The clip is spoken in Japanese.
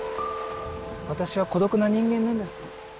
私は孤独な人間なんです。